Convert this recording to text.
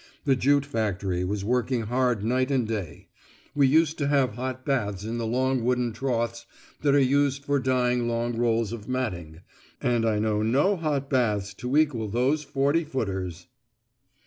The jute factory was working hard night and day: we used to have hot baths in the long wooden troughs that are used for dyeing long rolls of matting, and I know no hot baths to equal those forty footers!